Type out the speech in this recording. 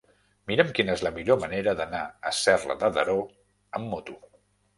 Mira'm quina és la millor manera d'anar a Serra de Daró amb moto.